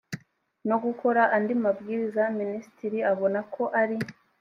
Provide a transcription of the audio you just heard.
no gukora andi mabwiriza minisitiri abona ko ari